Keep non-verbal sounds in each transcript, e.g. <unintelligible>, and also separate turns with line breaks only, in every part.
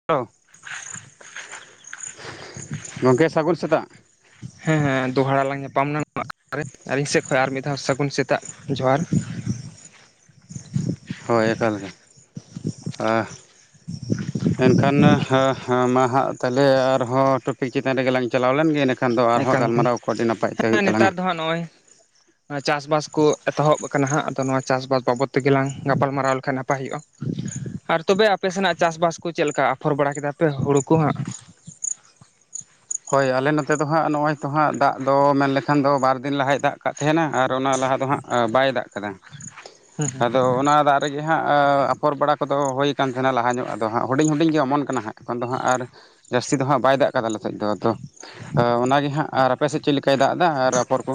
<unintelligible> ᱜᱚᱝᱠᱮ ᱥᱟᱹᱜᱩᱱ ᱥᱮᱛᱟᱜ᱾
ᱦᱮᱸ ᱫᱚᱦᱲᱟ ᱞᱟᱝ ᱧᱟᱯᱟᱢᱱᱟ <inaudible> ᱟᱹᱞᱤᱧ ᱥᱮᱫ ᱠᱷᱚᱡ ᱟᱨ ᱢᱤᱫ ᱫᱷᱟᱣ ᱥᱟᱹᱜᱩᱱ ᱥᱮᱛᱟᱜ ᱡᱚᱦᱟᱨ᱾
ᱦᱳᱭ ᱮᱠᱟᱞ ᱜᱮ ᱦᱟ ᱮᱱᱠᱷᱟᱱ ᱦᱟ ᱦᱟ ᱢᱟ ᱦᱟᱸᱜ ᱛᱟᱦᱞᱮ ᱟᱨᱦᱚᱸ ᱴᱚᱯᱤᱠ ᱪᱮᱛᱟᱱ ᱨᱮᱜᱮᱞᱟᱝ ᱪᱟᱞᱟᱣ ᱞᱮᱱᱜᱮ ᱤᱱᱟᱹ ᱠᱷᱟᱱ ᱫᱚ ᱟᱨᱦᱚᱸ
ᱮᱠᱟᱞ ᱮᱠᱟᱞ
ᱜᱟᱞᱢᱟᱨᱟᱣ ᱠᱚ ᱟᱹᱰᱤ ᱱᱟᱯᱟᱭ ᱛᱮ ᱦᱩᱭᱩᱜ ᱛᱟᱞᱟᱝᱼᱟ᱾
ᱱᱚᱜᱼᱚᱭ ᱟ ᱪᱟᱥᱵᱟᱥ ᱠᱚ ᱮᱛᱚᱦᱚᱵ ᱠᱟᱱᱟ ᱦᱟᱸᱜ ᱟᱫᱚ ᱱᱚᱣᱟ ᱪᱟᱥᱵᱟᱥ ᱵᱟᱵᱚᱫ ᱛᱮᱜᱮ ᱞᱟᱝ ᱜᱟᱯᱟᱞᱢᱟᱨᱟᱣ ᱞᱮᱠᱷᱟᱱ ᱱᱟᱯᱟᱭ ᱦᱩᱭᱩᱜᱼᱟ᱾ ᱟᱨ ᱛᱚᱵᱮ ᱟᱯᱮ ᱥᱮᱱᱟᱜ ᱪᱟᱥᱵᱟᱥ ᱠᱚ ᱪᱮᱫ ᱞᱮᱠᱟ ᱟᱯᱷᱚᱨ ᱵᱟᱲᱟ ᱠᱮᱫᱟ ᱯᱮ ᱦᱩᱲᱩ ᱠᱚ ᱦᱟᱸᱜ?
ᱦᱳᱭ ᱟᱞᱮ ᱱᱚᱛᱮ ᱫᱚ ᱦᱟᱸᱜ ᱱᱚᱜᱼᱚᱭ ᱛᱚ ᱦᱟᱸᱜ ᱫᱟᱜ ᱫᱚ ᱢᱮᱱ ᱞᱮᱠᱷᱟᱱ ᱫᱚ ᱵᱟᱨ ᱫᱤᱱ ᱞᱟᱦᱟᱭ ᱫᱟᱜ ᱠᱟᱜ ᱛᱟᱦᱮᱱᱟ᱾ ᱟᱨ ᱚᱱᱟ ᱞᱟᱦᱟ ᱫᱚ ᱦᱟᱸᱜ ᱼᱼ ᱟ ᱵᱟᱭ ᱫᱟᱜ ᱠᱟᱫᱟ
ᱦᱩᱸ ᱦᱩᱸ
ᱟᱫᱚ ᱚᱱᱟ ᱫᱟᱜ ᱼᱼ ᱛᱮᱜᱮ ᱦᱟᱸᱜ ᱟᱯᱷᱚᱨ ᱵᱟᱲᱟ ᱠᱚᱫᱚ ᱦᱳᱭᱠᱟᱱ ᱛᱟᱦᱮᱱᱟ᱾ ᱞᱟᱦᱟᱧᱚᱜ ᱟᱫᱚ ᱦᱟᱸᱜ ᱦᱩᱰᱤᱧ ᱦᱩᱰᱤᱧ ᱜᱮ ᱚᱢᱚᱱ ᱠᱟᱱᱟ ᱦᱟᱸᱜ᱾ ᱮᱠᱷᱚᱱ ᱫᱚ ᱦᱟᱸᱜ ᱟᱨ ᱼᱼ ᱡᱟᱹᱥᱛᱤ ᱫᱚ ᱦᱟᱸᱜ ᱵᱟᱭ ᱫᱟᱜ ᱠᱟᱫᱟ ᱞᱮ ᱥᱮᱡ ᱫᱚ ᱟᱫᱚ ᱚᱱᱟᱜᱤ ᱦᱟᱸᱜ ᱟᱨ ᱟᱯᱮᱥᱮᱫ ᱪᱮᱫ ᱞᱮᱠᱟᱭ ᱫᱟᱜ ᱫᱟ ᱟᱨ ᱟᱯᱚᱨ ᱠᱚ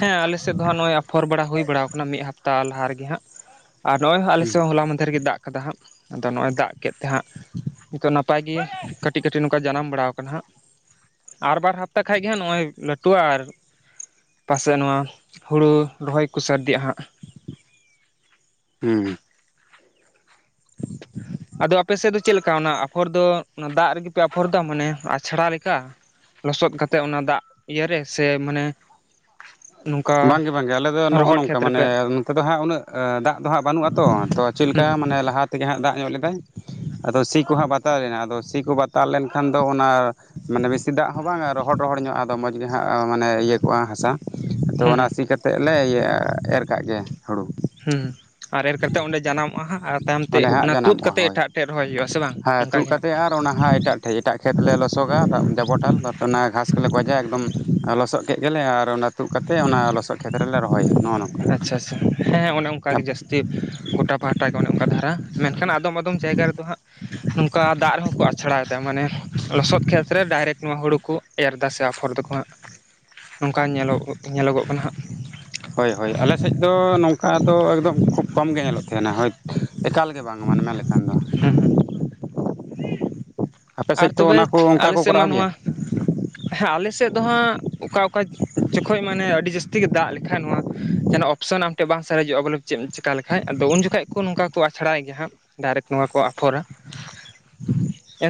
ᱦᱮᱸ ᱟᱞᱮᱥᱮᱫ ᱫᱚ ᱦᱟᱸᱜ ᱱᱚᱜᱚᱭ ᱟᱯᱷᱚᱨ ᱵᱟᱲᱟ ᱦᱩᱭ ᱵᱟᱲᱟ ᱠᱟᱱᱟ ᱢᱤᱫ ᱦᱟᱯᱛᱟ ᱞᱟᱦᱟ ᱨᱤᱜᱤ ᱦᱟᱸᱜ। ᱟᱨ ᱱᱚᱜ ᱚᱭ ᱦᱚ
ᱦᱮᱸ
ᱟᱞᱮᱥᱮᱫ ᱦᱚᱸ ᱦᱚᱞᱟ ᱢᱟᱦᱫᱷᱮᱨ ᱨᱮᱜᱮ ᱫᱟᱜ ᱠᱟᱫᱟ ᱦᱟᱸᱜ ᱟᱫᱚ ᱱᱚᱜ ᱚᱭ ᱫᱟᱜ ᱠᱮᱫ ᱛᱮ ᱦᱟᱸᱜ ᱱᱟᱯᱟᱭ ᱜᱮ ᱠᱟᱹᱴᱤᱡ ᱠᱟᱹᱴᱤᱡ ᱼᱼ ᱠᱟ ᱡᱟᱱᱟᱢ ᱵᱟᱲᱟᱣ ᱠᱟᱱᱟ ᱦᱟᱸᱜ ᱟᱨ ᱵᱟᱨ ᱦᱟᱯᱛᱟ ᱠᱷᱟᱡ ᱜᱮ ᱦᱟᱸᱜ ᱱᱚᱜᱼᱚᱭ ᱞᱟᱹᱴᱩᱼᱟ ᱟᱨ ᱯᱟᱥᱮᱫ ᱱᱚᱣᱟ ᱦᱩᱲᱩ ᱨᱚᱦᱚᱭ ᱠᱚ ᱥᱟᱨᱫᱤᱜᱼᱟ ᱦᱟᱸᱜ।
ᱦᱩᱸ <inaudible>
ᱟᱫᱚ ᱟᱯᱮ ᱥᱮᱫ ᱫᱚ ᱪᱮᱫ ᱞᱮᱠᱟ ᱚᱱᱟ ᱟᱯᱷᱚᱨ ᱫᱚ ᱚᱱᱟ ᱫᱟᱜ ᱨᱮᱜᱮᱯᱮ ᱟᱯᱷᱚᱨ ᱫᱟ ᱢᱟᱱᱮ ᱟᱪᱷᱲᱟ ᱞᱮᱠᱟ? ᱞᱚᱥᱚᱫ ᱠᱟᱛᱮᱜ ᱚᱱᱟ ᱫᱟᱜ ᱤᱭᱟᱹ ᱨᱮ ᱥᱮ ᱢᱟᱱᱮ ᱼᱼ
ᱵᱟᱝᱜᱮ ᱵᱟᱝᱜᱮ ᱟᱞᱮᱫᱚ ᱱᱚᱜᱼᱚ
ᱨᱚᱦᱚᱲ
ᱱᱚᱝᱠᱟ
ᱠᱷᱮᱛ
ᱢᱟᱱᱮ
ᱨᱮᱯᱮ
ᱱᱚᱛᱮ ᱫᱚ ᱦᱟᱸᱜ ᱩᱱᱟᱹᱜ ᱫᱟᱜ ᱫᱚ ᱦᱟᱸᱜ ᱵᱟᱹᱱᱩᱜᱼᱟᱛᱚ ᱛᱚ ᱪᱮᱫ ᱞᱮᱠᱟ
ᱦᱩᱸ
ᱢᱟᱱᱮ ᱞᱟᱦᱟᱛ ᱛᱮᱜᱮ ᱦᱟᱸᱜ ᱫᱟᱜ ᱧᱚᱜ ᱞᱮᱫᱟᱭ ᱟᱫᱚ ᱥᱤ ᱠᱚ ᱦᱟᱸᱜ ᱵᱟᱛᱟᱣ ᱞᱮᱱᱟ ᱟᱫᱚ ᱥᱤ ᱠᱚ ᱵᱟᱛᱟᱣ ᱞᱮᱱᱠᱷᱟᱱ ᱫᱚ ᱚᱱᱟ ᱼᱼ ᱢᱟᱱᱮ ᱵᱮᱥᱤ ᱫᱟᱜ ᱦᱚᱸ ᱵᱟᱝᱟ ᱨᱚᱦᱚᱲ ᱨᱚᱦᱚᱲ ᱧᱚᱜ ᱟᱫᱚ ᱢᱚᱸᱡᱽ ᱜᱮ ᱦᱟᱸᱜ ᱢᱟᱱᱮ ᱤᱭᱟᱹ ᱠᱚᱜᱼᱟ ᱦᱟᱸᱥᱟ। ᱟᱫᱚ ᱚᱱᱟ
ᱦᱩᱸ
ᱥᱤ ᱠᱟᱛᱮᱜ ᱞᱮ ᱮᱨ ᱠᱟᱜ ᱜᱮ ᱦᱩᱲᱩ।
ᱦᱩᱸ ᱟᱨ ᱮᱨ ᱠᱟᱛᱮᱫ ᱚᱸᱰᱮ ᱡᱟᱱᱟᱢᱚᱜᱼᱟ ᱟᱨ ᱛᱟᱭᱚᱢ ᱛᱮ
ᱚᱸᱰᱮ ᱦᱟᱸᱜ
ᱚᱱᱟ ᱛᱩᱫ
ᱡᱟᱱᱟᱢᱚᱜᱼᱟ
ᱠᱟᱛᱮ
ᱦᱳᱭ
ᱮᱴᱟᱜ ᱮᱴᱮᱡ ᱨᱚᱦᱚᱭ ᱦᱩᱭᱩᱜᱼᱟ ᱥᱮ ᱵᱟᱝ?
ᱦᱮᱸ
ᱚᱱᱠᱟᱜ
ᱛᱩᱜ
ᱜᱮ ᱦᱟᱸᱜ
ᱠᱟᱛᱮ ᱟᱜ ᱚᱱᱟ ᱦᱟᱜ ᱮᱴᱟᱜ ᱴᱷᱮᱡ ᱮᱴᱟᱜ ᱠᱷᱮᱛ ᱞᱮ ᱞᱚᱥᱚᱜᱟ ᱡᱟᱵᱚᱴᱟ ᱚᱱᱟ ᱜᱷᱟᱥ ᱠᱚᱞᱮ ᱜᱚᱡᱟ ᱮᱠᱫᱚᱢ ᱞᱚᱥᱚᱜ ᱠᱮᱜ ᱜᱮᱞᱮ ᱟᱨ ᱚᱱᱟ ᱛᱩᱫ ᱠᱟᱛᱮᱫ ᱚᱱᱟ ᱞᱚᱥᱚᱫ ᱠᱷᱮᱛ ᱨᱮᱞᱮ ᱨᱚᱦᱚᱭᱟ ᱱᱚᱜᱼᱚ ᱱᱚᱝᱠᱟ
ᱟᱪᱪᱷᱟ ᱟᱪᱪᱷᱟ ᱦᱮᱸ ᱚᱱᱮ ᱚᱝᱠᱟ ᱜᱮ ᱡᱟᱹᱥᱛᱤ ᱜᱚᱴᱟ ᱯᱟᱦᱴᱟ ᱚᱱᱮ ᱚᱝᱠᱟ ᱫᱷᱟᱨᱟ ᱢᱮᱱᱠᱷᱟᱱ ᱟᱫᱚᱢ ᱟᱫᱚᱢ ᱡᱟᱭᱜᱟ ᱨᱮᱫᱚ ᱦᱟᱸᱜ ᱱᱚᱝᱠᱟ ᱫᱟᱜ ᱨᱮᱦᱚᱸ ᱠᱚ ᱟᱪᱷᱲᱟ ᱭᱮᱫᱟ ᱢᱟᱱᱮ ᱞᱚᱥᱚᱫ ᱠᱷᱮᱛ ᱨᱮ ᱰᱟᱭᱨᱮᱠᱴ ᱱᱚᱣᱟ ᱦᱩᱲᱩ ᱠᱩ ᱮᱨ ᱮᱫᱟ ᱥᱮ ᱟᱯᱷᱚᱨ ᱫᱟᱠᱚ ᱦᱟᱸᱜ ᱱᱚᱝᱠᱟ ᱧᱮᱞᱚᱜ ᱧᱮᱞᱚᱜᱚᱜ ᱠᱟᱱᱟ ᱦᱟᱸᱜ
ᱦᱳᱭ ᱦᱳᱭ ᱟᱞᱮᱥᱮᱡ ᱫᱚ ᱱᱚᱝᱠᱟ ᱫᱚ ᱮᱠᱫᱚᱢ ᱠᱷᱩᱵ ᱠᱚᱢ ᱜᱮ ᱧᱮᱞᱚᱜ ᱛᱷᱮᱱᱟ ᱦᱳᱭ ᱮᱠᱟᱞ ᱜᱮ ᱵᱟᱝ ᱢᱟᱱᱮ ᱢᱮᱱ ᱞᱮᱠᱷᱟᱱ ᱫᱚ
ᱦᱩᱸ ᱦᱩᱸ
ᱟᱯᱮ ᱥᱮᱡ
ᱟᱨ
ᱛᱚ ᱚᱱᱟ
ᱛᱚᱵᱮ
ᱠᱩ ᱚᱝᱠᱟ
ᱟᱞᱮ
ᱠᱩ
ᱥᱮᱫ ᱢᱟ
ᱠᱚᱨᱟᱣ ᱜᱮᱭᱟ
ᱱᱚᱣᱟ ᱦᱮᱸ ᱟᱞᱮᱥᱮᱫ ᱫᱚ ᱦᱟᱸᱜ ᱚᱠᱟ ᱚᱠᱟ ᱡᱚᱠᱷᱚᱡ ᱢᱟᱱᱮ ᱟᱹᱰᱤ ᱡᱟᱹᱥᱛᱤ ᱜᱮ ᱫᱟᱜ ᱞᱮᱠᱷᱟ ᱱᱚᱣᱟ ᱡᱮᱱᱚ ᱚᱯᱥᱮᱱ ᱟᱢ ᱴᱷᱮ ᱵᱟᱝ ᱥᱟᱨᱮᱡᱚᱟ ᱵᱚᱞᱮ ᱪᱮᱢ ᱪᱤᱠᱟ ᱞᱮᱠᱷᱟᱡ ᱟᱫᱚ ᱩᱱ ᱡᱚᱠᱷᱡ ᱠᱚ ᱱᱚᱝᱠᱟ ᱠᱚ ᱟᱪᱷᱲᱟᱭ ᱜᱮᱭᱟ ᱦᱟᱸᱜ ᱰᱟᱭᱨᱮᱠᱴ ᱱᱚᱣᱟ ᱠᱚ ᱟᱯᱷᱚᱨᱟ
<inaudible>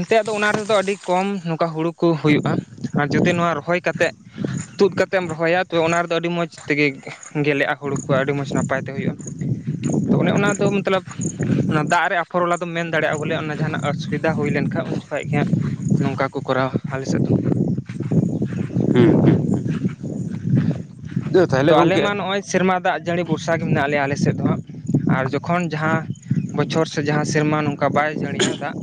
ᱛᱮ ᱟᱫᱚ ᱚᱱᱟ ᱨᱮᱫᱚ ᱟᱹᱰᱤ ᱠᱚᱢ ᱱᱚᱠᱟ ᱦᱩᱲᱩ ᱠᱩ ᱦᱩᱭᱩᱜ-ᱟ ᱟᱨ ᱡᱩᱫᱤ ᱱᱚᱣᱟ ᱨᱚᱦᱚᱭ ᱠᱟᱛᱮᱜ ᱛᱩᱫ ᱠᱟᱛᱮᱢ ᱨᱚᱦᱚᱭᱟ ᱛᱚ ᱚᱱᱟ ᱨᱮᱫᱚ ᱟᱹᱰᱤ ᱢᱚᱡᱽ ᱛᱤᱜᱤ ᱜᱮᱞᱮᱟ ᱦᱩᱲᱩ ᱠᱚ ᱟᱹᱰᱤ ᱢᱚᱪ ᱱᱟᱯᱟᱭ ᱛᱮ ᱦᱩᱭᱩᱜ-ᱟ ᱚᱱᱮ ᱚᱱᱟ ᱫᱚ ᱢᱚᱛᱞᱚᱵ ᱚᱱᱟ ᱫᱟᱜ ᱨᱮ ᱟᱯᱷᱚᱨ ᱚᱞᱟ ᱫᱚᱢ ᱢᱮᱱ ᱫᱟᱲᱮᱜ-ᱟ ᱵᱚᱞᱮ ᱚᱱᱟ ᱡᱟᱦᱟᱱᱟᱜ ᱚᱥᱩᱵᱤᱫᱷᱟ ᱦᱩᱭ ᱞᱮᱱᱠᱷᱟ ᱩᱱ ᱠᱷᱟᱡ ᱜᱮ ᱦᱟᱸᱜ ᱱᱚᱝᱠᱟ ᱠᱚ ᱠᱚᱨᱟᱣᱟ ᱟᱞᱮᱥᱮᱫ ᱫᱚ
ᱦᱩᱸ ᱦᱩᱸ ᱦᱩᱸ <unintelligible>
ᱫᱚ ᱟᱞᱮ ᱢᱟ ᱱᱚᱜ-ᱚᱭ ᱥᱮᱨᱢᱟ ᱫᱟᱜ ᱡᱟᱹᱲᱤ ᱵᱚᱨᱥᱟ ᱜᱮ ᱢᱮᱱᱟᱜ ᱞᱮᱭᱟ ᱟᱞᱮ ᱥᱮᱫ ᱫᱚ ᱦᱟᱸᱜ ᱟᱨ ᱡᱚᱠᱷᱚᱱ ᱡᱟᱦᱟᱸ ᱵᱚᱪᱷᱚᱨ ᱥᱮ ᱡᱟᱦᱟᱸ ᱥᱮᱨᱢᱟ ᱱᱚᱝ ᱠᱟ ᱵᱟᱭ ᱡᱟᱹᱲᱤᱭᱟ ᱫᱟᱜ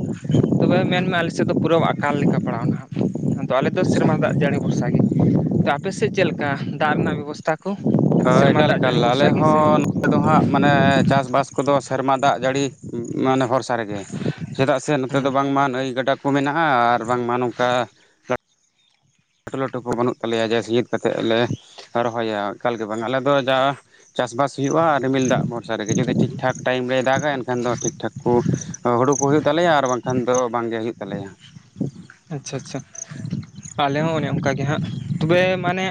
ᱛᱚᱵᱮ ᱢᱮᱱᱢᱮ ᱟᱞᱮᱥᱮᱫ ᱫᱚ ᱯᱩᱨᱟᱹ ᱟᱠᱟᱞ ᱞᱮᱠᱟ ᱯᱟᱲᱟᱣ ᱱᱟ ᱦᱟᱜ ᱟᱫᱚ ᱟᱞᱮ ᱫᱚᱚ
ᱟᱪᱪᱷᱟ
ᱥᱮᱨᱢᱟ ᱫᱟᱜ ᱡᱟᱹᱲᱤ ᱵᱷᱚᱨᱥᱟ ᱜᱮ ᱛᱟ ᱟᱯᱮ ᱥᱮᱫ ᱪᱮᱞᱠᱟ ᱫᱟᱜ ᱨᱮᱱᱟᱜ ᱵᱮᱵᱚᱥ ᱛᱟᱠᱚ
ᱦᱳᱭ ᱮᱠᱟᱞ ᱮᱠᱟᱮ ᱟᱞᱮ ᱦᱚᱸ ᱱᱚᱰᱮ ᱫᱚ ᱦᱟᱸᱜ ᱢᱟᱱᱮ ᱪᱟᱥ ᱵᱟᱥ ᱠᱚᱫᱚ ᱥᱮᱨᱢᱟ ᱫᱟᱜ ᱡᱟᱹᱲᱤ ᱢᱟᱱᱮ ᱵᱷᱚᱨᱥᱟ ᱨᱮᱜᱮ ᱪᱮᱫᱟᱜ ᱥᱮ ᱱᱚᱛᱮ
ᱦᱩᱸ
ᱫᱚ ᱵᱟᱝᱢᱟ ᱱᱟᱹᱭ ᱜᱟᱰᱟ ᱠᱚ ᱢᱮᱱᱟ-ᱟ ᱟᱨ ᱵᱟᱝᱢᱟ ᱱᱚᱝᱠᱟ ᱞᱟᱹᱴᱩ ᱞᱟᱹᱴᱩ ᱠᱚ ᱵᱟᱹᱱᱩᱜ ᱛᱟᱞᱮᱭᱟ ᱡᱮ ᱥᱤᱭᱟᱹᱛ ᱠᱟᱛᱮ ᱞᱮ ᱨᱚᱦᱚᱭᱟ ᱮᱠᱟᱞ ᱜᱮ ᱵᱟᱝ ᱟᱞᱮᱫ ᱫᱚ ᱡᱟ ᱪᱟᱥ ᱵᱟᱥ ᱦᱩᱭᱩ-ᱟ ᱟᱨ ᱨᱤᱢᱤᱞ ᱫᱟᱜ ᱵᱷᱚᱨᱥᱟ ᱨᱮᱜᱮ ᱡᱩᱫᱤ ᱴᱷᱤᱠ ᱴᱷᱟᱠ ᱴᱟᱭᱤᱢ ᱨᱮᱭ ᱫᱟᱜᱟ ᱮᱱᱠᱷᱟᱱ ᱫᱚ ᱴᱷᱤᱠ ᱴᱷᱟᱠ ᱠᱩ ᱦᱩᱲᱩ ᱠᱩ ᱦᱩᱭᱩᱜ ᱛᱟᱞᱮᱭᱟ ᱟᱨ ᱵᱟᱝᱠᱷᱟᱱ ᱫᱚ ᱵᱟᱝᱜᱮ ᱦᱩᱭᱩᱜ ᱛᱟᱞᱮᱭᱟ
ᱟᱪᱪᱷᱟ ᱟᱪᱪᱷᱟ ᱟᱞᱮ ᱦᱚᱸ ᱚᱱᱮ ᱚᱝᱠᱟ ᱜᱮ ᱦᱟᱸᱜ ᱛᱚᱵᱮ ᱢᱟᱱᱮ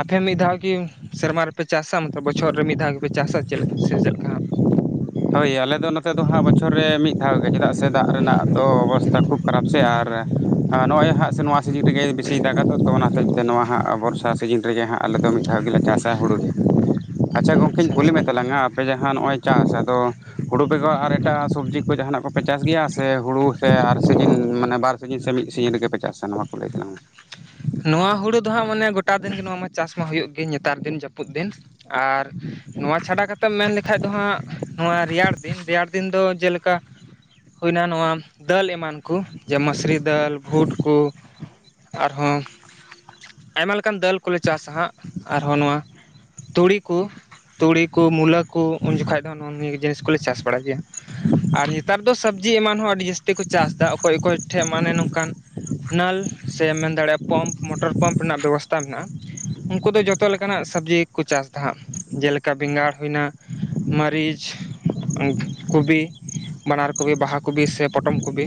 ᱟᱯᱮ ᱢᱤᱫ ᱫᱷᱟᱣ ᱠᱤ ᱥᱮᱨᱢᱟ ᱨᱮ ᱯᱮ ᱪᱟᱥᱟ ᱢᱚᱛᱞᱚᱵ ᱵᱚᱪᱷᱚᱨ ᱨᱮ ᱢᱤᱫ ᱫᱷᱟᱣ ᱜᱮ ᱯᱮ ᱪᱟᱥᱟ ᱥᱮ ᱪᱮᱫ ᱞᱮᱠᱟ ᱦᱟᱸᱜ
ᱦᱳᱭ ᱟᱞᱮ ᱫᱚ ᱱᱚᱛᱮ ᱫᱚ ᱦᱟᱜ ᱵᱚᱪᱷᱚᱨ ᱨᱮ ᱢᱤᱫ ᱫᱷᱟᱣ ᱜᱮ ᱪᱮᱫᱟᱜ ᱥᱮ ᱫᱟᱜ ᱨᱮᱱᱟᱜ ᱫᱚ ᱚᱵᱚᱥᱛᱷᱟ ᱠᱷᱩᱵ ᱠᱷᱟᱨᱟᱯ ᱥᱮ ᱟᱨ ᱱᱚᱜ-ᱚᱭ ᱦᱟᱜ ᱥᱮ ᱱᱚᱣᱟ ᱥᱤᱡᱤᱱ ᱨᱮᱜᱮᱭ ᱵᱤᱥᱤᱭ ᱫᱟᱜᱟᱛᱚ ᱚᱱᱟ ᱦᱚᱛᱮᱡᱛᱮ ᱱᱚᱣᱟ ᱦᱟᱸᱜ ᱵᱚᱨᱥᱟ ᱥᱤᱡᱤᱱ ᱨᱮᱜᱮ ᱦᱟᱸᱜ ᱟᱞᱮᱫᱚ ᱢᱤᱫᱷᱟᱣ ᱜᱮᱞᱮ ᱪᱟᱥᱟ ᱦᱩᱲᱩᱜ ᱜᱤ ᱟᱪᱪᱷᱟ ᱜᱚᱝᱠᱮᱧ ᱠᱩᱞᱤ ᱢᱮ ᱛᱟᱞᱟᱝᱟ ᱟᱯᱮ ᱡᱟᱦᱟᱸ ᱱᱚᱜᱚᱭ ᱪᱟᱥ ᱟᱫᱚ ᱦᱩᱲᱩ ᱵᱮᱜᱚᱨ ᱟᱨ ᱮᱴᱟᱜ ᱥᱚᱵᱽᱡᱤ ᱠᱚ ᱡᱟᱦᱟᱱᱟᱜ ᱠᱚᱯᱮ ᱪᱟᱥ ᱜᱮᱭᱟ ᱥᱮ ᱦᱩᱲᱩ ᱥᱮ ᱟᱨ ᱥᱤᱡᱤᱱ ᱢᱟᱱᱮ ᱵᱟᱨ ᱥᱤᱡᱤᱱ ᱥᱮ ᱢᱤᱫ ᱥᱤᱡᱤᱱ ᱨᱮᱜᱮ ᱯᱮ ᱪᱟᱥᱟ ᱱᱚᱣᱟ ᱠᱚ ᱞᱟᱹᱭ ᱛᱟᱞᱟᱝ ᱢᱮ
ᱱᱚᱣᱟ ᱦᱩᱲᱩ ᱫᱚ ᱦᱟᱸᱜ ᱢᱟᱱᱮ ᱜᱚᱴᱟ ᱫᱤᱱ ᱜᱮ ᱱᱚᱣᱟ ᱢᱟ ᱪᱟᱥ ᱢᱟ ᱦᱩᱭᱩᱜ ᱜᱮ ᱱᱮᱛᱟᱨ ᱫᱤᱱ ᱡᱟᱹᱯᱩᱫ ᱫᱤᱱ ᱟᱨ ᱱᱚᱣᱟ ᱪᱷᱟᱰᱟ ᱠᱟᱛᱮᱢ ᱢᱮᱱ ᱞᱮᱠᱷᱟᱡ ᱫᱚ ᱦᱟᱸᱜ ᱱᱚᱣᱟ ᱨᱮᱭᱟᱲ ᱫᱤᱱ ᱨᱮᱭᱟᱲ ᱫᱤᱱ ᱫᱚ ᱡᱮᱞᱮᱠᱟ ᱦᱩᱭᱱᱟ ᱱᱚᱣᱟ ᱫᱟᱹᱞ ᱮᱢᱟᱱ ᱠᱚ ᱡᱮ ᱢᱟᱹᱥᱨᱤ ᱫᱟᱹᱞ ᱵᱷᱩᱴ ᱠᱩ ᱟᱨᱦᱚᱸ ᱟᱭᱢᱟ ᱞᱮᱠᱟᱱ ᱫᱟᱹᱞ ᱠᱚᱞᱮ ᱪᱟᱥᱟ ᱦᱟᱸᱜ ᱟᱨᱦᱚᱸ ᱱᱚᱣᱟ ᱛᱩᱲᱤ ᱠᱩ ᱛᱩᱲᱤ ᱠᱩ ᱢᱩᱞᱟᱹ ᱠᱩ ᱩᱱ ᱡᱚᱠᱷᱟᱡ ᱫᱚ ᱦᱟᱸᱜ ᱱᱚ ᱱᱤᱭᱟᱹ ᱡᱤᱱᱤᱥ ᱠᱩᱞᱮ ᱪᱟᱥ ᱵᱟᱲᱟᱭ ᱜᱮᱭᱟ ᱟᱨ ᱧᱮᱛᱟᱨ ᱫᱚ ᱥᱚᱵᱽᱡᱤ ᱮᱢᱟᱱ ᱦᱚᱸ ᱟᱹᱰᱤ ᱡᱟᱹ ᱡᱟᱹᱥᱛᱤ ᱠᱚ ᱪᱟᱥ ᱫᱟ ᱚᱠᱚᱭ ᱚᱠᱚᱭ ᱴᱷᱮ ᱢᱟᱱᱮ ᱱᱚᱝᱠᱟᱱ ᱱᱟᱹᱞ ᱥᱮ ᱢᱮᱱ ᱫᱟᱲᱮᱟ ᱯᱟᱢᱯ ᱢᱚᱴᱚᱨ ᱯᱟᱢᱯ ᱨᱮᱱᱟᱜ ᱵᱮᱵᱚᱥ ᱛᱟ ᱢᱮᱱᱟᱜ ᱼᱟ ᱩᱱᱠᱩ ᱫᱚ ᱡᱚᱛᱚ ᱞᱮᱠᱟᱱᱟᱜ ᱥᱟᱵᱽᱡᱤ ᱠᱩ ᱪᱟᱥᱫᱟ ᱦᱟᱸᱜ ᱡᱮᱞᱮᱠᱟ ᱵᱮᱸᱜᱟᱲ ᱦᱩᱭᱱᱟ ᱢᱟᱹᱨᱤᱪ᱾ ᱠᱩᱵᱤ ᱵᱟᱱᱟᱨ ᱠᱩᱵᱤ ᱵᱟᱦᱟ ᱠᱩᱵᱤ ᱥᱮ ᱯᱚᱴᱚᱢ ᱠᱩᱵᱤ᱾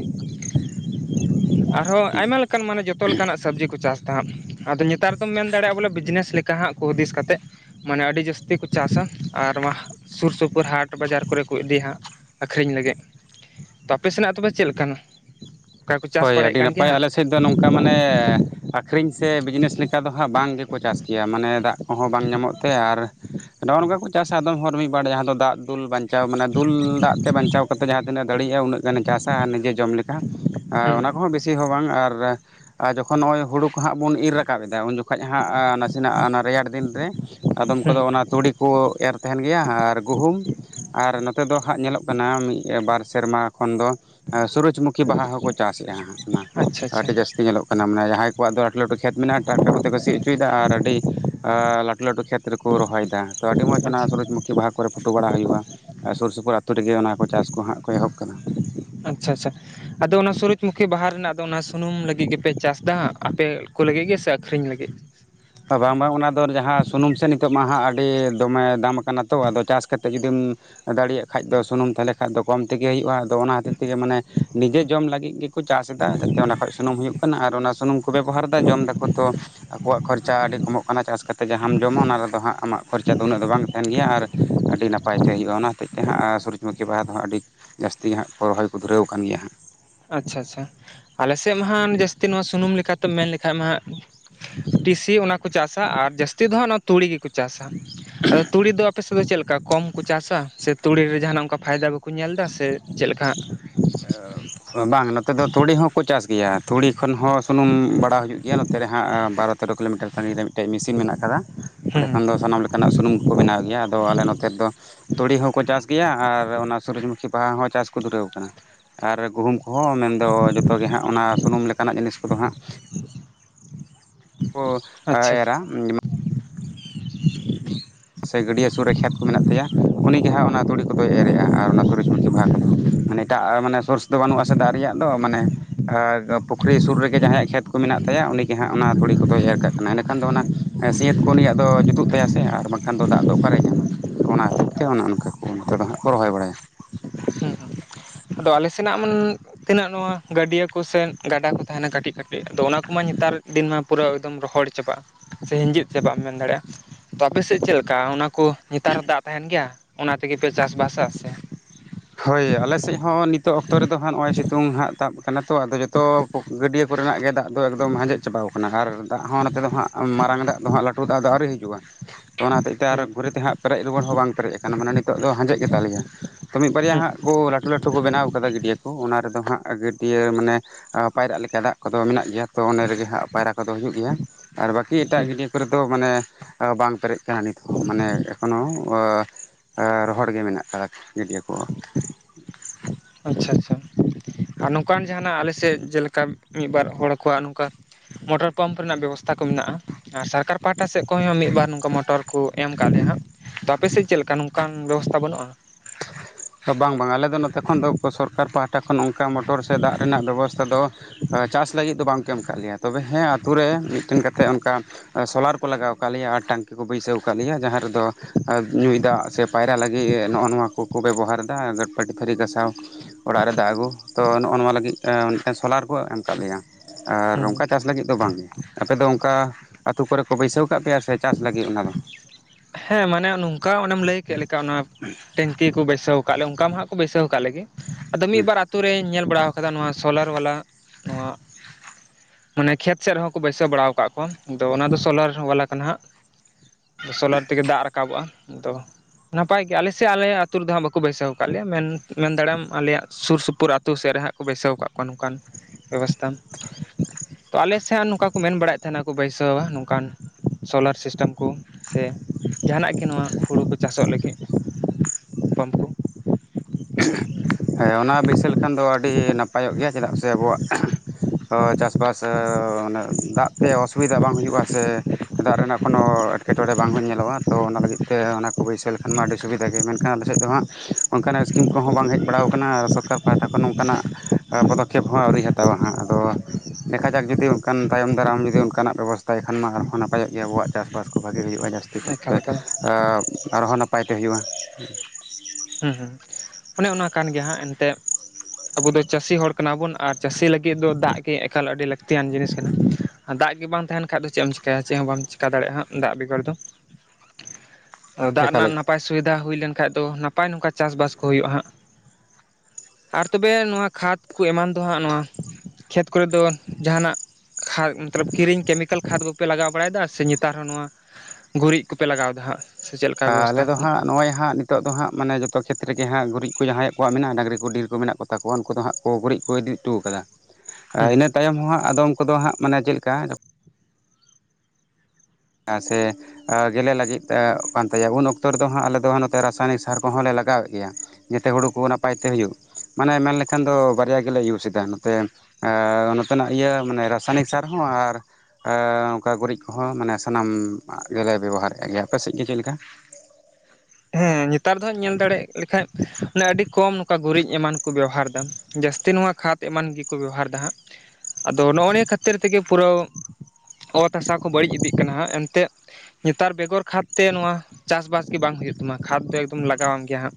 <unintelligible>
ᱦ ᱟᱭᱢᱟ ᱞᱮᱠᱟᱱ ᱢᱟᱱᱮ ᱡᱚᱛᱚ ᱞᱮᱠᱟᱱᱟᱜ ᱥᱚᱵᱽᱡᱤ ᱠᱚ ᱪᱟᱥ ᱮᱫᱟ ᱦᱟᱸᱜ ᱟᱫᱚ ᱱᱮᱛᱟᱨ ᱫᱚᱢ ᱢᱮᱱ ᱫᱟᱲᱮᱭᱟᱜᱼᱟ ᱵᱚᱞᱮ ᱵᱤᱡᱽᱱᱮᱥ ᱞᱮᱠᱟ ᱠᱟ ᱦᱟᱸᱜ ᱠᱚ ᱦᱩᱫᱤᱥ ᱠᱟᱛᱮᱜ- ᱢᱟᱱᱮ ᱟᱹᱰᱤ ᱡᱟᱹᱥᱛᱤ ᱠᱚ ᱪᱟᱥᱟ ᱟᱨ ᱢᱟ ᱥᱩᱨ ᱥᱩᱯᱩᱨ ᱦᱟᱴ ᱵᱟᱡᱟᱨ ᱠᱚᱨᱮ ᱠᱚ ᱤᱫᱤᱭᱟ ᱦᱟᱸᱜ᱾ ᱟᱹᱠᱷᱨᱤᱧ ᱞᱟᱹᱜᱤᱫ ᱛᱚ ᱟᱯᱮ ᱥᱮᱱᱟᱜ ᱛᱚᱵᱮ ᱪᱮᱫ ᱞᱮᱠᱟᱱ?
ᱦᱳᱭ ᱟᱹᱰᱤ ᱱᱟᱯᱟᱭ ᱟᱞᱮ ᱥᱮᱫ ᱫᱚ ᱱᱚᱝᱠᱟ ᱢᱟᱱᱮ ᱟᱠᱷᱨᱤᱧ ᱥᱮ ᱵᱤᱡᱽᱱᱮᱥ ᱞᱮᱠᱟ ᱫᱚ ᱦᱟᱸᱜ ᱵᱟᱝ ᱜᱮᱠᱚ ᱪᱟᱥ ᱜᱮᱭᱟ ᱢᱟᱱᱮ ᱫᱟᱜ ᱠᱚᱦᱚᱸ ᱵᱟᱝ ᱧᱟᱢᱚᱜ ᱛᱮ ᱟᱨ ᱱᱚᱜᱼᱚ ᱱᱚᱝᱠᱟ ᱠᱚ ᱪᱟᱥᱟ ᱟᱫᱚᱢ ᱦᱚᱲ ᱢᱤᱫ ᱵᱟᱨ ᱡᱟᱦᱟᱸ ᱫᱚ ᱫᱟᱜ ᱫᱩᱞ ᱵᱟᱧᱪᱟᱣ ᱢᱟᱱᱮ ᱫᱩᱞ ᱫᱟᱜ ᱛᱮ ᱵᱟᱧᱪᱟᱣ ᱠᱚᱛᱮ ᱡᱟᱦᱟᱸ ᱛᱤᱱᱟᱹᱜ ᱫᱟᱲᱮᱭᱟᱜᱼᱟ ᱩᱱᱟᱹᱜ ᱜᱟᱱᱮ ᱪᱟᱥᱟ ᱟᱨ ᱱᱤᱡᱮ ᱡᱚᱢ ᱞᱮᱠᱟ᱾
ᱦᱩᱸ
ᱚᱱᱟ ᱠᱚᱦᱚᱸ ᱵᱮᱥᱤ ᱦᱚᱸ ᱵᱟᱝ ᱟᱨ ᱟᱨ ᱡᱚᱠᱷᱚᱱ ᱱᱚᱜᱼᱚᱭ ᱦᱩᱲᱩ ᱠᱚ ᱦᱟᱸᱜ ᱵᱚᱱ ᱤᱨ ᱨᱟᱠᱟᱵ ᱮᱫᱟ ᱩᱱ ᱡᱚᱠᱷᱚᱡ ᱦᱟᱸᱜ ᱱᱟᱥᱮᱱᱟᱜ ᱨᱮᱭᱟᱲ ᱫᱤᱱ ᱨᱮ ᱟᱫᱚᱢ
ᱦᱩᱸ
ᱠᱚᱫᱚ ᱚᱱᱟ ᱛᱩᱲᱤ ᱠᱚ ᱮᱨ ᱛᱟᱦᱮᱱ ᱜᱮᱭᱟ ᱟᱨ ᱜᱩᱦᱩᱢ᱾ ᱟᱨ ᱱᱚᱛᱮ ᱫᱚ ᱦᱟᱸᱜ ᱧᱮᱞᱚᱜ ᱠᱟᱱᱟ ᱢᱤᱫ ᱵᱟᱨ ᱥᱮᱨᱢᱟ ᱠᱷᱚᱱ ᱫᱚ ᱥᱩᱨᱚᱡᱽᱢᱩᱠᱷᱤ ᱵᱟᱦᱟ ᱦᱚᱸᱠᱚ ᱪᱟᱥᱮ ᱦᱟᱸᱜ ᱚᱱᱟ
ᱟᱪᱪᱷᱟ ᱟᱪᱪᱷᱟ
ᱟᱹᱰᱤ ᱡᱟᱹᱥᱛᱤ ᱧᱮᱞᱚᱜ ᱢᱟᱱᱮ ᱡᱟᱦᱟᱸᱭ ᱠᱚᱣᱟᱜ ᱫᱚ ᱞᱟᱹᱴᱩ ᱞᱟᱹᱴᱩ ᱠᱷᱮᱛ ᱢᱮᱱᱟᱜᱼᱟ ᱴᱨᱟᱠᱴᱟᱨ ᱠᱚᱛᱮ ᱠᱚ ᱥᱤ ᱚᱪᱚᱭᱮᱫᱟ ᱟᱨ ᱟᱹᱰᱤ ᱟ ᱞᱟᱹᱴᱩ ᱞᱟᱹᱴᱩ ᱠᱷᱮᱛ ᱨᱮᱠᱚ ᱨᱚᱦᱚᱭᱮᱫᱟ ᱛᱚ ᱟᱹᱰᱤ ᱢᱚᱸᱡᱽ ᱢᱮᱱᱟᱜ-
ᱟᱪᱪᱷᱟ
ᱟ ᱥᱩᱨᱚᱡᱽ ᱢᱩᱠᱷᱤ ᱵᱟᱦᱟ ᱠᱚᱨᱮ ᱠᱚ ᱵᱟᱲᱟ ᱦᱩᱭᱩᱜᱼᱟ ᱟᱨ ᱥᱩᱨ ᱥᱩᱯᱩᱨ ᱟᱹᱛᱩᱳ ᱨᱮᱜᱮ ᱚᱱᱟ ᱠᱚ ᱪᱟᱥ ᱠᱚ ᱦᱟᱸᱜ ᱠᱚ ᱮᱦᱚᱵ ᱠᱟᱫᱟ
ᱟᱪᱪᱷᱟ ᱟᱪᱪᱷᱟ᱾ ᱟᱫᱚ ᱚᱱᱟ ᱥᱩᱨᱩᱡᱽ ᱢᱩᱠᱷᱤ ᱵᱟᱦᱟ ᱨᱮᱱᱟᱜ ᱫᱚ ᱚᱱᱟ ᱥᱩᱱᱩᱢ ᱞᱟᱹᱜᱤᱫ ᱜᱮᱯᱮ ᱪᱟᱥᱫᱟ ᱦᱟᱸᱜ ᱟᱯᱮ ᱠᱚ ᱞᱟᱹᱜᱤᱫ ᱜᱮᱥᱮ ᱟᱹᱠᱷᱨᱤᱧ ᱞᱟᱹᱜᱤᱫ?
ᱵᱟᱝ ᱵᱟᱝ ᱚᱱᱟ ᱫᱚ ᱡᱟᱦᱟᱸ ᱥᱩᱱᱩᱢ ᱥᱮ ᱱᱤᱛᱚᱜ ᱢᱟ ᱦᱟᱸᱜ ᱟᱹᱰᱤ ᱫᱚᱢᱮ ᱫᱟᱢ ᱟᱠᱟᱱᱟ ᱛᱚ ᱟᱫᱚ ᱪᱟᱥ ᱠᱟᱛᱮᱫ ᱡᱩᱫᱤᱢ ᱫᱟᱲᱮᱭᱟᱜ ᱠᱷᱟᱡ ᱫᱚ ᱥᱩᱱᱩᱢ ᱛᱟᱦᱞᱮ ᱠᱷᱟᱡ ᱫᱚ ᱠᱚᱢ ᱛᱮᱜᱮ ᱦᱩᱭᱩᱜᱼᱟ ᱾ ᱟᱫᱚ ᱚᱱᱟ ᱦᱚᱛᱮᱡ ᱛᱮᱜᱮ ᱢᱟᱱᱮ ᱱᱤᱡᱮ ᱡᱚᱢ ᱞᱟᱹᱜᱤᱫ ᱜᱮ᱾ ᱠᱚ ᱪᱟᱥ ᱮᱫᱟ ᱡᱟᱛᱮ ᱚᱱᱟ ᱠᱷᱚᱡ ᱥᱩᱱᱩᱢ ᱦᱳᱭᱳᱜ ᱠᱟᱱᱟ ᱟᱨ ᱚᱱᱟ ᱥᱩᱱᱩᱢ ᱠᱚ ᱵᱮᱵᱚᱦᱟᱨ ᱮᱫᱟ ᱡᱚᱢ ᱫᱟᱠᱩ ᱛᱚ ᱟᱠᱚᱣᱟᱜ ᱠᱷᱚᱨᱪᱟ ᱟᱹᱰᱤ ᱠᱚᱢᱚᱜ ᱠᱟᱱᱟ ᱪᱟᱥ ᱠᱟᱛᱮ ᱜᱮ ᱡᱟᱦᱟᱢ ᱡᱚᱢᱟ ᱚᱱᱟ ᱨᱮᱫᱚ ᱦᱟᱸᱜ ᱟᱢᱟᱜ ᱠᱷᱚᱨᱪᱟ ᱫᱚ ᱩᱱᱟᱹᱜ ᱫᱚ ᱵᱟᱝ ᱛᱟᱦᱮᱱ ᱜᱮᱭᱟ ᱟᱨ ᱟᱹᱰᱤ ᱱᱟᱯᱟᱭ ᱛᱮ ᱦᱩᱭᱳᱜᱼᱟ ᱚᱱᱟ ᱦᱚᱛᱮᱡ ᱛᱮ ᱦᱟᱸᱜ ᱟᱨ ᱥᱩᱨᱩᱡᱽ ᱢᱩᱠᱷᱤ ᱵᱟᱦᱟ ᱫᱚ ᱦᱟᱸᱜ ᱟᱹᱰᱤ ᱡᱟᱹᱥᱛᱤ ᱜᱮ ᱦᱟᱸᱜ ᱠᱚ ᱨᱚᱦᱚᱭ ᱠᱚ ᱫᱷᱩᱨᱟᱹᱣ ᱠᱟᱱ ᱜᱮᱭᱟ ᱦᱟᱸᱜ᱾
ᱟᱪᱪᱷᱟ ᱟᱪᱪᱷᱟ ᱟᱞᱮ ᱥᱮᱫ ᱢᱟ ᱦᱟᱸᱜ ᱡᱟᱹᱥᱛᱤ ᱱᱚᱣᱟ ᱥᱩᱱᱩᱢ ᱞᱮᱠᱟᱛᱮᱢ ᱢᱮᱱ ᱞᱮᱠᱷᱟᱱ ᱢᱟᱦᱟᱜ ᱴᱤᱥᱤ ᱚᱱᱟ ᱠᱚ ᱪᱟᱥᱟ ᱟᱨ ᱡᱟᱹᱥᱛᱤ ᱫᱚ ᱱᱟᱦᱟᱸᱜ ᱚᱱᱟ ᱛᱩᱲᱤ ᱜᱤᱠᱩ ᱪᱟᱥᱟ ᱟᱫᱚ ᱛᱩᱲᱤ ᱫᱚ ᱟᱯᱮᱥᱮᱫ ᱫᱚ ᱪᱮᱫ ᱞᱮᱠᱟ ᱠᱚᱢ ᱠᱚ ᱪᱟᱥᱟ ᱥᱮ ᱛᱩᱲᱤ ᱨᱮ ᱡᱟᱸᱦᱟᱱᱟᱜ ᱚᱱᱠᱟ ᱯᱷᱟᱭᱫᱟ ᱵᱟᱠᱩ ᱧᱮᱞ ᱫᱟ ᱥᱮ ᱪᱮᱫ ᱞᱮᱠᱟ?
ᱵᱟᱝ ᱱᱚᱛᱮ ᱫᱚ ᱛᱩᱲᱤ ᱦᱚᱸᱠᱚ ᱪᱟᱥ ᱜᱮᱭᱟ᱾ ᱛᱩᱲᱤ ᱠᱷᱚᱱ ᱦᱚᱸ ᱥᱩᱱᱩᱢ ᱵᱟᱲᱟ ᱦᱩᱭᱩᱜ ᱜᱮᱭᱟ ᱱᱚᱛᱮ ᱨᱮ ᱦᱟᱸᱜ ᱵᱟᱨᱚ ᱛᱮᱨᱚ ᱠᱤᱞᱳᱢᱤᱴᱟᱨ ᱛᱟᱺᱤᱧ ᱨᱮ ᱢᱤᱫᱴᱮᱡ ᱢᱮᱥᱤᱱ ᱢᱮᱱᱟᱜ ᱟᱠᱟᱫᱟ ᱚᱸᱰᱮ
ᱦᱩᱸ
ᱠᱷᱚᱱ ᱫᱚ ᱥᱟᱱᱟᱢ ᱞᱮᱠᱟᱱᱟᱜ ᱥᱩᱱᱩᱢ ᱠᱚᱠᱚ ᱵᱮᱱᱟᱣ ᱜᱮᱭᱟ ᱟᱫᱚ ᱟᱞᱮ ᱱᱚᱛᱮ ᱨᱮᱫᱚ ᱛᱩᱲᱤ ᱦᱚᱸᱠᱚ ᱪᱟᱥ ᱜᱮᱭᱟ ᱟᱨ ᱚᱱᱟ ᱥᱩᱨᱩᱡᱽᱢᱩᱠᱷᱤ ᱵᱟᱦᱟ ᱦᱚᱸ ᱪᱟᱥ ᱠᱚ ᱫᱷᱩᱨᱟᱹᱣ ᱟᱠᱟᱱᱟ᱾ ᱟᱨ ᱜᱩᱦᱩᱢ ᱠᱚᱦᱚᱸ ᱢᱮᱱᱫᱚ ᱡᱚᱛᱚ ᱜᱮ ᱦᱟᱸᱜ ᱚᱱᱟ ᱥᱩᱱᱩᱢ ᱞᱮᱠᱟᱱᱟᱜ ᱡᱤᱱᱤᱥ ᱠᱚᱫᱚ ᱦᱟᱸᱜ ᱠᱚ
ᱟᱪᱪᱷᱟ ᱟᱪᱪᱷᱟ
ᱮᱨᱟ ᱥᱮ ᱜᱟᱹᱰᱭᱟᱹ ᱥᱩᱨ ᱨᱮ ᱠᱷᱮᱛ ᱠᱚ ᱢᱮᱱᱟᱜ ᱛᱟᱭᱟ ᱩᱱᱤᱜᱮ ᱦᱟᱸᱜ ᱚᱱᱟ ᱛᱩᱲᱤ ᱠᱚᱫᱚᱭ ᱮᱨᱜᱼᱟ᱾ ᱟᱨ ᱚᱱᱟ ᱥᱚᱨᱩᱡᱽᱢᱩᱠᱷᱤ ᱵᱟᱦᱟ ᱠᱚᱫᱚ᱾ ᱢᱟᱱᱮ ᱮᱴᱟᱜ ᱢᱟᱱᱮ ᱥᱳᱨᱥ ᱫᱚ ᱵᱟᱹᱱᱩᱜ ᱟᱥᱮ ᱫᱟᱜ ᱨᱮᱭᱟᱜ ᱫᱚ ᱢᱟᱱᱮ ᱟᱨ ᱯᱩᱠᱷᱨᱤ ᱥᱩᱨ ᱨᱮᱜᱮ ᱡᱟᱦᱟᱸᱭᱟᱜ ᱠᱷᱮᱛ ᱠᱚ ᱢᱮᱱᱟᱜ ᱛᱟᱭᱟ ᱩᱱᱤᱜᱮ ᱦᱟᱸᱜ ᱚᱱᱟ ᱛᱩᱲᱤ ᱠᱚᱫᱚᱭ ᱮᱨ ᱠᱟᱜ ᱠᱟᱱᱟ ᱮᱸᱰᱮᱠᱷᱟᱱ ᱫᱚ ᱚᱱᱟ ᱥᱤᱸᱭᱟᱹᱛ ᱠᱚ ᱩᱱᱤᱭᱟᱜ ᱫᱚ ᱡᱩᱛᱩᱜ ᱛᱟᱭᱟ ᱥᱮ ᱟᱨ ᱵᱟᱝ ᱮᱱᱠᱷᱟᱱ ᱫᱚ ᱫᱟᱜ ᱫᱚ ᱚᱠᱟᱨᱮ ᱧᱟᱢᱟᱭ ᱛᱚ ᱚᱱᱟ ᱦᱚᱛᱮᱫᱛᱮ
ᱦᱩᱸ
ᱚᱱᱮ ᱚᱱᱠᱟ ᱠᱚ ᱱᱤᱛᱚᱜ ᱫᱚ ᱦᱟᱸᱜ ᱠᱚ ᱨᱚᱦᱚᱭ ᱵᱟᱲᱟᱭᱟ᱾
ᱦᱩᱸ ᱟᱫᱚ ᱟᱞᱮ ᱥᱮᱱᱟᱜ <unintelligible> ᱱᱛᱤᱱᱟᱹᱜ ᱱᱚᱣᱟ ᱜᱟᱹᱰᱭᱟᱹ ᱠᱚ ᱥᱮ ᱜᱟᱰᱟ ᱠᱚ ᱛᱟᱸᱦᱮᱱᱟ ᱠᱟᱹᱴᱤᱡ-ᱠᱟᱹᱴᱤᱡ ᱟᱫᱚ ᱚᱱᱟ ᱠᱚᱢᱟ ᱱᱮᱛᱟᱨ ᱫᱤᱱ ᱢᱟ ᱯᱩᱨᱟᱹ ᱮᱠᱫᱚᱢ ᱨᱚᱦᱚᱲ ᱪᱟᱵᱟᱜ-ᱟ ᱥᱮ ᱦᱤᱸᱡᱤᱫ ᱪᱟᱵᱟᱜ ᱮᱢ ᱢᱮᱱ ᱫᱟᱲᱮᱭᱟᱜᱼᱟ ᱛᱚ ᱟᱯᱮᱥᱮᱫ ᱪᱮᱫ ᱞᱮᱠᱟ ᱚᱱᱟ ᱠᱚ ᱱᱮᱛᱟᱨᱦᱚᱸᱫᱟᱜ ᱛᱟᱦᱮᱱ ᱜᱮᱭᱟ ᱚᱱᱟ ᱛᱮᱜᱮ ᱯᱮ ᱪᱟᱥ ᱵᱟᱟᱥᱟ ᱥᱮ
ᱦᱳᱭ ᱟᱞᱮᱥᱮᱫ ᱦᱚᱸ ᱱᱤᱛᱚᱜ ᱚᱠᱛᱚ ᱨᱮᱫᱚ ᱦᱟᱸᱜ ᱱᱚᱜᱼᱚᱭ ᱥᱤᱛᱩᱝ ᱦᱟᱸᱜ ᱛᱟᱵ ᱟᱠᱟᱱᱟ ᱛᱚ ᱟᱫᱚ ᱡᱚᱛᱚ ᱜᱟᱹᱰᱭᱟᱹ ᱠᱚ ᱠᱚ ᱨᱮᱱᱟᱜ ᱜᱮ ᱫᱟᱜ ᱫᱚ ᱮᱠᱫᱚᱢ ᱟᱺᱡᱮᱫ ᱪᱟᱵᱟᱟᱣ ᱠᱟᱱᱟ ᱟᱨ ᱫᱟᱜ ᱦᱚᱸ ᱱᱚᱛᱮ ᱫᱚ ᱦᱟᱸᱜ ᱢᱟᱨᱟᱝ ᱫᱟᱜ ᱫᱚ ᱦᱟᱸᱜ ᱞᱟᱹᱴᱩ ᱫᱟᱜ ᱫᱚ ᱟᱹᱣᱨᱤ ᱦᱤᱡᱩᱜᱼᱟ᱾ ᱛᱚ ᱚᱱᱟ ᱛᱮ ᱦᱚᱛᱮᱡ ᱛᱮ ᱟᱨ
ᱦᱩᱸ
ᱜᱷᱩᱨᱤᱭᱟᱹᱛᱮ ᱦᱟᱸᱜ ᱯᱮᱨᱮᱡ ᱨᱩᱣᱟᱹᱲ ᱦᱚᱸ ᱵᱟᱝ ᱯᱮᱨᱮᱡ ᱟᱠᱟᱱᱟ ᱢᱟᱱᱮ ᱱᱤᱛᱳᱜ ᱫᱚ ᱦᱟᱸᱡᱮᱫ ᱜᱮ ᱛᱟᱞᱮᱭᱟ᱾ ᱛᱚ ᱢᱤᱫ ᱵᱟᱨᱭᱟ
ᱦᱩᱸ
ᱦᱟᱸᱜ ᱠᱚ ᱞᱟᱹᱴᱩ- ᱞᱟᱹᱴᱩ ᱠᱚ ᱵᱮᱱᱟᱣ ᱟᱠᱟᱫᱟ ᱜᱟᱹᱰᱭᱟᱹ ᱠᱚ ᱚᱱᱟ ᱨᱮᱫᱚ ᱦᱟᱸᱜ ᱜᱟᱹᱰᱭᱟᱹ ᱢᱟᱱᱮ ᱟ ᱯᱟᱭᱨᱟᱜ ᱞᱮᱠᱟ ᱫᱟᱜ ᱠᱚᱫᱚ ᱢᱮᱱᱟᱜ ᱜᱮᱭᱟ ᱛᱚ ᱚᱱᱟ ᱨᱮᱜᱮ ᱦᱟᱸᱜ ᱯᱟᱭᱨᱟ ᱠᱚᱫᱚ ᱦᱩᱭᱩᱜ ᱜᱮᱭᱟ᱾ ᱟᱨ ᱵᱟᱹᱠᱤ ᱮᱴᱟᱜ
ᱦᱩᱸ
ᱜᱟᱹᱰᱟᱹ ᱠᱚᱨ ᱫᱚ ᱢᱟᱱᱮᱼᱼ ᱟ ᱵᱟᱝ ᱯᱮᱨᱮᱡ ᱟᱠᱟᱱᱟ ᱱᱤᱛᱦᱚᱸ ᱢᱟᱱᱮ ᱮᱠᱷᱚᱱᱳ-ᱟ ᱨᱚᱦᱚᱲᱜᱮ ᱢᱮᱱᱟᱜ ᱟᱠᱟᱫᱟ ᱨᱤᱰᱳ ᱠᱚ <unintelligible>
ᱟᱪᱪᱷᱟ ᱟᱪᱪᱷᱟ ᱟᱨ ᱱᱚᱝᱠᱟᱱ ᱡᱟᱦᱟᱱᱟᱜ ᱟᱞᱮ ᱥᱮᱫ ᱡᱮᱞᱮᱠᱟ ᱢᱤᱫ ᱵᱟᱨ ᱦᱚᱲ ᱠᱚᱣᱟᱜ ᱱᱚᱝᱠᱟ ᱢᱚᱴᱚᱨ ᱯᱟᱢᱯ ᱨᱮᱱᱟᱜ ᱵᱮᱵᱚᱥᱛᱷᱟ ᱠᱚ ᱢᱮᱱᱟᱜᱼᱟ ᱟᱨ ᱥᱚᱨᱠᱟᱨᱼᱼ ᱯᱟᱦᱟᱴᱟ ᱥᱮᱫ ᱠᱷᱚᱱ ᱦᱚᱸ ᱢᱤᱫ ᱵᱟᱨ ᱱᱚᱝᱠᱟ ᱢᱚᱴᱚᱨ ᱠᱚ ᱮᱢ ᱟᱠᱟᱫ ᱞᱮᱭᱟ ᱦᱟᱸᱜ᱾ ᱛᱚ ᱟᱯᱮᱮᱥᱮᱫ ᱪᱮᱫ ᱞᱮᱠᱟ ᱱᱚᱝᱠᱟᱱ ᱵᱮᱵᱚᱥᱛᱷᱟ ᱵᱟᱹᱱᱩᱜᱼᱟ?
ᱵᱟᱝ ᱵᱟᱝ ᱟᱞᱮ ᱫᱚ ᱱᱚᱛᱮ ᱠᱷᱚᱱ ᱫᱚ ᱥᱚᱨᱠᱟᱨ ᱯᱟᱦᱴᱟᱼᱼ ᱠᱷᱚᱱ ᱚᱱᱠᱟ ᱢᱚᱴᱚᱨ ᱥᱮ ᱫᱟᱜ ᱨᱮᱱᱟᱜ ᱵᱮᱵᱚᱥᱛᱷᱟ ᱫᱚ ᱪᱟᱥ ᱞᱟᱹᱜᱤᱫ ᱫᱚ ᱵᱟᱝ ᱠᱚᱮ ᱮᱢ ᱟᱠᱟᱟᱜ ᱞᱮᱭᱟ ᱛᱚᱵᱮ ᱦᱮᱸ ᱟᱹᱛᱩ ᱨᱮ ᱢᱤᱫᱴᱮᱱ ᱠᱟᱛᱮᱫ ᱚᱱᱠᱟ ᱥᱳᱞᱟᱨ ᱠᱚ ᱞᱟᱜᱟᱣ ᱟᱠᱟᱫ ᱞᱮᱭᱟ ᱟᱨ ᱴᱟᱝᱠᱤ ᱠᱚ ᱵᱟᱹᱭᱥᱟᱹᱣ ᱟᱠᱟᱫ ᱞᱮᱭᱟ ᱡᱟᱦᱟᱸ ᱨᱮᱫᱚ ᱧᱩᱭ ᱫᱟᱜ ᱥᱮ ᱯᱟᱭᱨᱟ ᱞᱟᱹᱜᱤᱫ ᱱᱚᱜᱼᱚ ᱱᱚᱣᱟ ᱠᱚᱠᱚ ᱵᱮᱵᱚᱦᱟᱨ ᱮᱫᱟ ᱜᱴ ᱵᱟᱹᱴᱤ ᱯᱷᱟᱹᱨᱤ ᱜᱟᱥᱟᱣ ᱚᱲᱟᱜ ᱨᱮ ᱫᱟᱜ ᱟᱹᱜᱩ ᱛᱚ ᱱᱚᱜᱼᱚ ᱱᱚᱣᱟ ᱞᱟᱹᱜᱤᱫ ᱢᱤᱫᱴᱮᱱ ᱥᱳᱞᱟᱨ ᱠᱚ ᱮᱢ ᱟᱠᱟᱫ ᱞᱮᱭᱟ ᱟᱨ
ᱦᱩᱸ
ᱱᱚᱝᱠᱟ ᱪᱟᱥᱼᱼᱼ ᱪᱟᱥ ᱞᱟᱹᱜᱤᱫ ᱫᱚ ᱵᱟᱝ ᱜᱮ ᱟᱯᱮᱫ ᱫᱚ ᱚᱱᱠᱟ ᱟᱹᱛᱩ ᱠᱚᱨᱮ ᱠᱚ ᱵᱟᱹᱭᱥᱟᱹᱣ ᱠᱜ ᱯᱮᱭᱟ ᱥᱮ ᱪᱟᱥ ᱞᱟᱹᱜᱤᱫ ᱚᱱᱟ ᱫᱚ
ᱦᱮᱸ ᱢᱟᱱᱮ ᱱᱚᱝᱠᱟ ᱚᱱᱮᱢ ᱞᱟᱹᱭ ᱠᱮᱫ ᱞᱮᱠᱟ ᱚᱱᱟ ᱴᱮᱝᱠᱤ ᱠᱚ ᱵᱟᱹᱭᱥᱟᱹᱣ ᱟᱠᱟᱫ ᱞᱮ ᱚᱱᱠᱟ ᱢᱟ ᱦᱟᱜ ᱵᱟᱹᱭᱥᱟᱹᱣ ᱟᱠᱟᱫ ᱞᱮ ᱟᱫᱚ ᱢᱤᱫ ᱵᱟᱨ ᱟᱹᱛᱩ ᱨᱮᱧ ᱧᱮᱞ ᱵᱟᱲᱟ ᱟᱠᱟᱫᱟ ᱱᱚᱣᱟ ᱥᱳᱞᱟᱨ ᱵᱟᱞᱟ ᱱᱚᱣᱟ ᱢᱟᱱᱮ ᱠᱷᱮᱛ ᱥᱮᱫ ᱨᱮᱦᱚᱸ ᱠᱚ ᱵᱟᱹᱭᱥᱟᱹᱣ ᱵᱟᱲᱟᱣ ᱠᱟᱫ ᱠᱚᱣᱟ ᱟᱫᱚ ᱚᱱᱟ ᱫᱚ ᱥᱳᱞᱟᱨ ᱵᱟᱞᱟ ᱠᱟᱱᱟ ᱦᱜ ᱥᱳᱞᱟᱨ ᱛᱮᱜᱮ ᱫᱟᱜ ᱨᱟᱠᱟᱵᱚᱜᱼᱟ ᱟᱫᱚ ᱱᱟᱯᱟᱭ ᱜᱮᱭᱟ ᱟᱞᱮᱮᱥ ᱟᱞᱮ ᱟ ᱟᱹᱛᱩ ᱨᱮᱫᱚᱦᱟᱜ ᱵᱟᱠᱚ ᱵᱟᱹᱭᱥᱟᱹᱣ ᱟᱠᱟᱫ ᱞᱮᱭᱟ ᱢᱮᱱ ᱫᱟᱲᱮᱭᱢ ᱟᱞᱮ ᱥᱩᱨ ᱥᱩᱯᱩᱨ ᱟ ᱟᱹᱛᱩ ᱥᱮᱫ ᱨᱮᱦᱟᱸᱜ ᱠᱚ ᱵᱟᱹᱭᱥᱟᱹᱣ ᱟᱠᱟᱫ ᱠᱚᱣᱟ ᱱᱚᱝᱠᱟᱱ ᱵᱮᱵᱚᱥᱛᱷᱟ ᱛᱚ ᱟᱞᱮ ᱥᱮᱱ ᱱᱚᱝᱠᱟ ᱠᱚ ᱢᱮᱱ ᱵᱟᱲᱟᱭᱮᱫ ᱛᱟᱦᱮᱱᱟ ᱠᱚ ᱵᱟᱹᱭᱥᱟᱹᱣᱟ ᱱᱚᱝᱠᱟᱱ ᱥᱳᱞᱟᱨ ᱥᱤᱥᱴᱮᱢ ᱠᱚ ᱥᱮ ᱡᱟᱦᱟᱱᱟᱜ ᱜᱮᱤ ᱱᱚᱣᱟ ᱦᱩᱲᱩ ᱠᱚ ᱪᱟᱥᱚᱜ ᱞᱟᱹᱜᱤᱫᱯᱟᱢ ᱠᱚ
ᱦᱮᱸ ᱚᱱᱟ ᱵᱟᱹᱥᱟᱣ ᱞᱮᱠᱷᱟᱱ ᱫᱚ ᱟᱹᱰᱤ ᱱᱟᱯᱟᱭᱚᱜ ᱜᱮᱭᱟ ᱪᱮᱫᱟᱜ ᱥᱮ ᱟᱵᱚᱣᱟᱜ ᱚ ᱪᱟᱥᱵᱟᱥ ᱚᱱᱮ ᱫᱟᱜ ᱛᱮ ᱚᱥᱩᱵᱤᱫᱷᱟ ᱵᱟᱝ ᱦᱩᱭᱩᱜᱼᱟ ᱥᱮ ᱫᱟᱜ ᱨᱮᱱᱟᱜ ᱠᱳᱚᱱᱚ ᱮᱴᱠᱮᱴᱚᱬᱮ ᱵᱟᱝ ᱦᱚᱸ ᱧᱮᱞᱚᱜᱼᱟ ᱛᱚ ᱚᱱᱟ ᱞᱟᱹᱜᱤᱫ ᱛᱮ ᱚᱱᱟ ᱠᱚ ᱵᱟᱹᱭᱥᱟᱹᱣ ᱞᱮᱠᱷᱟᱱ ᱢᱟ ᱟᱹᱰᱤ ᱥᱩᱵᱤᱫᱷᱟ ᱜᱮ ᱢᱮᱱᱠᱷᱟᱱ ᱟᱞ ᱥᱮᱫ ᱫᱚ ᱦᱟᱸᱜ ᱚᱱᱠᱟᱱᱟᱜ ᱥᱠᱤᱢ ᱠᱚᱦᱚᱸ ᱵᱟᱝ ᱦᱮᱡ ᱵᱟᱲᱟᱣ ᱟᱠᱟᱱᱟ ᱟᱨ ᱥᱚᱨᱠᱟᱨ ᱯᱟᱦᱟᱴᱟ ᱠᱷᱚᱱ ᱱᱚᱝᱠᱟᱱᱟᱜ ᱯᱚᱫᱚᱠᱷᱮᱯ ᱦᱚᱸ ᱟᱹᱣᱨᱤ ᱦᱟᱛᱟᱣᱟ ᱦᱟᱸᱜ ᱟᱫᱚ ᱞᱮᱮᱷᱟ ᱡᱟᱠ ᱡᱩᱫᱤ ᱚᱱᱠᱟᱱ ᱛᱟᱭᱚᱢ ᱫᱟᱨᱟᱢ ᱡᱩᱫᱤ ᱚᱱᱠᱟᱱᱟᱜ ᱵᱮᱵᱚᱥᱛᱟᱭ ᱠᱷᱟᱱ ᱢᱟ ᱟᱨᱦᱚᱸ ᱱᱟᱯᱟᱭᱚᱜ ᱜᱮ ᱟᱵᱚᱣᱟᱜ ᱪᱟᱥᱵᱟᱥ ᱠᱚ ᱵᱷᱟᱹᱜᱤ ᱦᱩᱭᱩᱜᱼᱟ ᱡᱟᱥ ᱛᱮ
ᱮᱠᱟᱞ ᱮᱠᱟᱞ
ᱟᱨᱦᱚᱸ ᱱᱟᱯᱟᱭ ᱛᱮ ᱦᱩᱭᱩᱜᱼᱟ᱾
ᱦᱩᱸ- ᱦᱩᱸ ᱚᱱᱮ ᱚᱱᱟ ᱠᱟᱱ ᱜᱮᱭᱟ ᱦᱟᱸᱜ ᱮᱱᱛᱮᱫ ᱟᱵᱚ ᱫᱚ ᱪᱟᱹᱥᱤ ᱦᱚᱲ ᱠᱟᱱᱟ ᱵᱚᱱ ᱟᱨ ᱪᱟᱹᱥᱤ ᱞᱟᱹᱜᱤᱫ ᱫᱚ ᱫᱟᱜ ᱜᱮ ᱮᱠᱟᱞ ᱟᱹᱰᱤ ᱞᱟᱹᱠᱛᱤᱭᱟᱱ ᱡᱤᱱᱤᱥ ᱠᱟᱱᱟ ᱟᱨ ᱫᱟᱜ ᱜᱮ ᱵᱟᱝ ᱛᱟᱦᱮᱱ ᱠᱷᱟᱡ ᱫᱚ ᱪᱮᱫ ᱮᱢ ᱪᱤᱠᱟᱹᱭᱟ ᱪᱮᱫ ᱦᱚᱸ ᱵᱟᱢ ᱪᱮᱠᱟᱹ ᱫᱟᱲᱮᱭᱟᱜᱼᱟ ᱫᱟᱜ ᱵᱮᱜᱚᱨ ᱫᱚ ᱫᱟᱜ
ᱮᱠᱟᱞ
ᱨᱮᱱᱟᱜ ᱱᱟᱯᱟᱭ ᱥᱩᱵᱤᱫᱷᱟ ᱦᱩᱭ ᱞᱮᱱᱠᱷᱟᱱ ᱫᱚ ᱱᱟᱯᱟᱭ ᱱᱚᱝᱠᱟ ᱪᱟᱥᱵᱟᱥ ᱠᱚ ᱦᱩᱭᱩᱜᱼᱟ ᱦᱟᱸᱜ ᱟᱨ ᱛᱚᱵᱮ ᱱᱚᱣᱟ ᱠᱷᱟᱫ ᱠᱚ ᱮᱢᱟᱱ ᱫᱚ ᱦᱟᱸᱜ ᱱᱚᱣᱟ ᱠᱷᱮᱛ ᱠᱚᱨᱮ ᱫᱚ ᱡᱟᱦᱟᱸᱱᱟᱜ <unintelligible> ᱢᱚᱛᱞᱚᱵᱽ ᱠᱤᱨᱤᱧ ᱠᱮᱢᱤᱠᱮᱞ ᱠᱷᱟᱫᱽ ᱠᱚᱯᱮ ᱞᱟᱜᱟᱣ ᱵᱟᱲᱟᱭᱮᱫᱟ ᱥᱮ ᱱᱮᱛᱟᱨ ᱦᱚᱸ ᱱᱚᱣᱟ ᱜᱩᱨᱤᱡ ᱠᱚᱯᱮ ᱞᱟᱜᱟᱣᱫᱟ ᱦᱟᱸᱜ ᱾
ᱟᱞᱮ ᱫᱚ ᱦᱟᱸᱜ ᱾ ᱱᱚᱜᱼᱚᱭ ᱦᱟᱸᱜ ᱱᱤᱛᱚᱜ ᱫᱚ ᱦᱟᱸᱜ ᱢᱟᱱᱮ ᱡᱚᱛᱚ ᱠᱷᱮᱛᱨᱮᱜᱮ ᱦᱟᱸᱜ ᱜᱩᱨᱤᱡ ᱡᱟᱦᱟᱸᱭᱟᱜ ᱠᱚᱣᱟᱜ ᱢᱮᱱᱟᱜᱼᱟ ᱰᱟᱝᱨᱤ ᱠᱚ ᱰᱮᱨ ᱠᱚ ᱢᱮᱱᱟᱜ ᱠᱚ ᱛᱟᱠᱚ ᱩᱱᱠᱩ ᱫᱚ ᱦᱟᱸᱜ ᱠᱚ ᱜᱩᱨᱤᱡ ᱠᱚ ᱤᱫᱤ ᱦᱚᱴᱚ ᱟᱠᱟᱫᱟ ᱟᱨ
ᱦᱩᱸ
ᱤᱱᱟᱹ ᱛᱟᱭᱚᱢ ᱦᱚᱸ ᱦᱟᱸᱜ ᱟᱫᱚᱢ ᱠᱚᱫᱚ ᱦᱟᱸᱜ ᱢᱟᱱᱮ ᱪᱮᱫ ᱞᱮᱠᱟ ᱪᱮᱫ ᱥᱮ ᱜᱮᱞᱮ ᱞᱟᱹᱜᱤᱫ ᱠᱟᱱ ᱛᱟᱭᱟ ᱩᱱ ᱚᱠᱛᱚ ᱨᱮᱫᱚ ᱦᱟᱸᱜ ᱟᱞᱮ ᱫᱚ ᱱᱚᱛᱮ ᱨᱟᱥᱟᱭᱚᱱᱤᱠ ᱥᱟᱨ ᱠᱚᱦᱚᱸᱞᱮ ᱞᱟᱜᱟᱣᱮᱫ ᱜᱮᱭᱟ ᱡᱟᱛᱮ ᱦᱩᱲᱩ ᱠᱚ ᱱᱟᱯᱟᱭᱛᱮ ᱦᱩᱭᱩᱜ ᱢᱟᱱᱮ ᱢᱮᱱᱞᱮᱠᱷᱟᱱ ᱫᱚ ᱵᱟᱨᱭᱟ ᱜᱮᱞᱮ ᱤᱭᱩᱡᱽ ᱮᱫᱟ ᱱᱚᱛᱮ ᱱᱚᱛᱮᱱᱟᱜ ᱤᱭᱟᱹ ᱢᱟᱱᱮ ᱨᱟᱥᱟᱭᱱᱤᱠ ᱥᱟᱨ ᱦᱚᱸ ᱟᱨ ᱚᱱᱠᱟ ᱜᱩᱨᱤᱡ ᱠᱚᱦᱚᱸ ᱢᱟᱱᱮ ᱥᱟᱱᱟᱢ ᱜᱮᱞᱮ ᱵᱮᱵᱚᱦᱟᱨᱮᱫ ᱜᱮᱭᱟ ᱟᱯᱮ ᱥᱮᱫ ᱜᱮ ᱪᱮᱫ ᱞᱮᱠᱟ
ᱦᱮᱸ ᱱᱮᱛᱟᱨ ᱫᱚ ᱦᱟᱸᱧ ᱧᱮᱞ ᱫᱟᱲᱮ ᱞᱮᱠᱷᱟᱡ ᱢᱟᱱᱮ ᱟᱹᱰᱤ ᱠᱚᱢ ᱱᱚᱝᱠᱟ ᱜᱩᱨᱤᱡ ᱮᱢᱟᱱ ᱠᱚ ᱵᱮᱣᱚᱦᱟᱨ ᱮᱫᱟ ᱡᱟᱹᱥᱛᱤ ᱱᱚᱣᱟ ᱠᱷᱟᱛ ᱮᱢᱟᱱ ᱜᱮᱠᱚ ᱵᱮᱵᱚᱦᱟᱨ ᱮᱫᱟ ᱦᱟᱸᱜ ᱟᱫᱚ ᱱᱚᱜᱼᱚ ᱱᱤᱭᱟᱹ ᱠᱷᱟᱹᱛᱤᱨ ᱛᱮᱜᱮ ᱯᱩᱨᱟᱹ ᱚᱛ ᱦᱟᱥᱟ ᱠᱚ ᱵᱟᱹᱲᱤᱡ ᱤᱫᱤᱜ ᱠᱟᱱᱟ ᱮᱱᱛᱮᱫ ᱱᱮᱛᱟᱨ ᱵᱮᱜᱚᱨ ᱠᱷᱟᱫᱽ ᱛᱮ ᱱᱚᱣᱟ ᱪᱟᱥᱵᱟᱥ ᱜᱮ ᱵᱟᱝ ᱦᱩᱭᱩᱜ ᱱᱚᱭᱟ ᱠᱷᱟᱫᱽ ᱫᱚ ᱮᱠᱫᱚᱢ ᱞᱟᱜᱟᱣᱟᱢ ᱜᱮᱭᱟ ᱦᱟᱸᱜ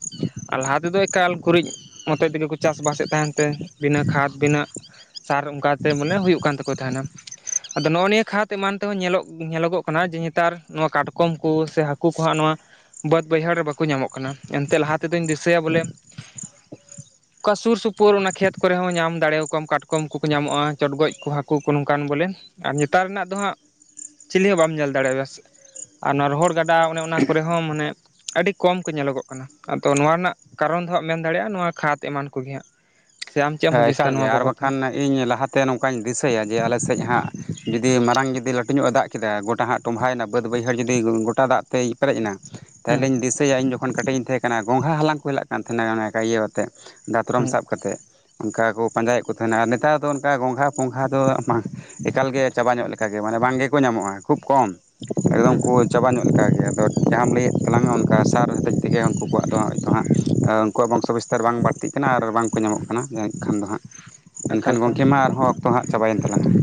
ᱟᱨ ᱞᱟᱦᱟ ᱛᱮᱫᱚ ᱮᱠᱟᱞ ᱜᱩᱨᱤᱡ ᱢᱚᱛᱮ ᱛᱮᱜᱮ ᱠᱚ ᱪᱟᱥᱵᱟᱥᱮᱫ ᱛᱟᱦᱮᱱ ᱛᱮ ᱵᱤᱱᱟᱹ ᱠᱷᱟᱫᱽ ᱵᱤᱱᱟᱹ ᱥᱟᱨ ᱚᱱᱠᱟᱛᱮ ᱢᱟᱱᱮ ᱦᱩᱭᱩᱜ ᱠᱟᱱ ᱛᱟᱠᱚ ᱛᱟᱦᱮᱱᱟ ᱟᱫᱚ ᱱᱚᱜᱼᱚ ᱱᱤᱭᱟᱹ ᱠᱷᱟᱫᱽ ᱮᱢᱟᱱ ᱛᱮᱦᱚᱸ ᱧᱮᱞ ᱧᱮᱞᱚᱜᱚᱜ ᱠᱟᱱᱟ ᱡᱮ ᱱᱮᱛᱟᱨ ᱱᱚᱣᱟ ᱠᱟᱴᱠᱚᱢ ᱠᱚ ᱥᱮ ᱦᱟᱹᱠᱩ ᱠᱚᱦᱟᱸᱜ ᱱᱚᱣᱟ ᱵᱟᱹᱫᱽ ᱵᱟᱹᱭᱦᱟᱹᱲ ᱨᱮ ᱵᱟᱠᱚ ᱧᱟᱢᱚᱜ ᱠᱟᱱᱟ ᱮᱱᱛᱮ ᱞᱟᱦᱟ ᱛᱮᱫᱚᱧ ᱫᱤᱥᱟᱹᱭᱟ ᱵᱚᱞᱮ
<inaudible>
ᱚᱠᱟ ᱥᱩᱨ ᱥᱩᱯᱩᱨ ᱚᱱᱟ ᱠᱷᱮᱛ ᱠᱚᱨᱮ ᱦᱚᱸ ᱧᱟᱢ ᱫᱟᱲᱮᱭᱟᱠᱚᱣᱟᱢ ᱠᱟᱴᱠᱚᱢ ᱠᱚᱠᱚ ᱧᱟᱢᱚᱜᱼᱟ ᱪᱚᱲᱜᱚᱡ ᱠᱚ ᱦᱟᱹᱠᱩ ᱠᱚ ᱱᱚᱝᱠᱟᱱ ᱵᱚᱞᱮ ᱾ ᱟᱨ ᱧᱮᱛᱟᱨ ᱨᱮᱱᱟᱜ ᱫᱚ ᱦᱟᱸᱜ, ᱪᱤᱞᱤ ᱦᱚᱸ ᱵᱟᱢ ᱧᱮᱞ ᱫᱟᱲᱮᱭᱟᱜᱼᱟ ᱟᱨ ᱚᱱᱟ ᱨᱚᱦᱚᱲ ᱜᱟᱰᱟ ᱚᱱᱮ ᱚᱱᱟ ᱠᱚᱨᱮ ᱦᱚᱸ ᱢᱟᱱᱮ ᱟᱹᱰᱤ ᱠᱚᱢ ᱠᱚ ᱧᱮᱞᱚᱜᱚᱜ ᱠᱟᱱᱟ ᱟᱫᱚ ᱱᱚᱣᱟ ᱨᱮᱱᱟᱜ ᱠᱟᱨᱚᱱ ᱫᱚ ᱦᱟᱸᱜ ᱢᱮᱱ ᱫᱟᱲᱮᱭᱟᱜᱼᱟ ᱱᱚᱣᱟ ᱠᱷᱟᱛ ᱮᱢᱟᱱ ᱠᱚᱜᱮ ᱦᱟᱸᱜ ᱥᱮ ᱟᱢ ᱪᱮᱫ ᱮᱢ
ᱦᱮᱸ
ᱦᱩᱫᱤᱥ ᱮᱫᱟ
ᱮᱠᱟᱞ ᱜᱮ
ᱱᱚᱣᱟ
ᱟᱨ
ᱵᱟᱵᱚᱫᱽ ᱛᱮ ᱾
ᱵᱟᱠᱷᱟᱱ ᱤᱧ ᱞᱟᱦᱟᱛᱮ ᱱᱚᱝᱠᱟ ᱤᱧ ᱫᱤᱥᱟᱹᱭᱟ ᱡᱮ ᱟᱞᱮ ᱥᱮᱫ ᱦᱟᱸᱜ ᱡᱩᱫᱤ ᱢᱟᱨᱟᱝ ᱡᱩᱫᱤ ᱞᱟᱹᱴᱩ ᱧᱚᱜ ᱮ ᱫᱟᱜ ᱠᱮᱫᱟ ᱜᱚᱴᱟ ᱦᱟᱸᱜ ᱛᱚᱵᱷᱟᱭᱮᱱᱟ ᱵᱟᱹᱫᱽ ᱵᱟᱹᱭᱦᱟᱹᱲ ᱡᱩᱫᱤ ᱜᱚᱴᱟ ᱫᱟᱜ ᱛᱮᱭ ᱯᱮᱨᱮᱡ ᱮᱱᱟ ᱛᱟᱦᱚᱞᱮ
ᱦᱮᱸ
ᱤᱧ ᱫᱤᱥ ᱭᱟ ᱤᱧ ᱡᱚᱠᱷᱚᱱ ᱠᱟᱹᱴᱤᱡ ᱤᱧ ᱛᱟᱦᱮᱸ ᱠᱟᱱᱟ ᱜᱚᱝᱜᱷᱟ ᱦᱟᱞᱟᱝ ᱠᱚ ᱪᱟᱞᱟᱝ ᱠᱟᱱ ᱛᱟᱦᱮᱸᱱᱟ ᱤᱭᱟᱹ ᱟᱛᱮᱫ ᱫᱟᱛᱨᱚᱢ
ᱦᱮᱸ
ᱥᱟᱵ ᱠᱟᱛᱮᱫ ᱚᱱᱠᱟ ᱠᱚ ᱯᱟᱸᱡᱟᱭᱮᱫ ᱠᱚ ᱛᱟᱦᱮᱱᱟ ᱟᱨ ᱱᱮᱛᱟᱨ ᱫᱚ ᱚᱱᱠᱟ ᱜᱚᱝᱜᱷᱟ ᱯᱚᱸᱜᱷᱟ ᱫᱚ ᱵᱟᱝ ᱮᱠᱟᱞᱜᱮ ᱪᱟᱵᱟ ᱧᱚᱜ ᱞᱮᱠᱟᱜᱮ ᱢᱟᱱᱮ ᱵᱟᱝ ᱜᱮᱠᱚ ᱧᱟᱢᱚᱜᱼᱟ ᱾ ᱠᱷᱩᱵ ᱠᱚᱢ ᱮᱠᱫᱚᱢ
ᱦᱮᱸ
ᱠᱚ ᱪᱟᱵᱟ ᱧᱚᱜ ᱞᱮᱠᱟᱜᱮ ᱟᱫᱚ ᱡᱟᱦᱟᱸᱢ ᱞᱟᱹᱭᱮᱫ ᱛᱟᱞᱟᱝᱟ ᱚᱱᱠᱟ ᱥᱟᱨ ᱦᱚᱛᱮᱡ ᱛᱮᱜᱮ ᱩᱱᱠᱩ ᱠᱚᱣᱟᱜ ᱫᱚ ᱦᱚᱭᱛᱚ ᱦᱟᱸᱜ ᱩᱱᱠᱩᱣᱟᱜ ᱵᱚᱝᱥᱚ ᱵᱤᱥᱛᱟᱨ ᱵᱟᱝ ᱵᱟᱹᱲᱛᱤ ᱠᱟᱱᱟ ᱟᱨ ᱵᱟᱝᱠᱚ ᱧᱟᱢᱚᱜ ᱠᱟᱱᱟ ᱡᱟᱹᱱᱤᱡ ᱠᱷᱟᱱ ᱫᱚ ᱦᱟᱸᱜ
ᱮᱠᱟᱞ
ᱮᱱᱠᱷᱟᱱ
ᱮᱠᱟᱞ
ᱜᱚᱝᱠᱮ ᱢᱟ ᱟᱨᱦᱚᱸ ᱚᱠᱛᱚ ᱦᱟᱸᱜ ᱪᱟᱵᱟᱭᱮᱱ ᱛᱟᱞᱟᱝᱟ ᱾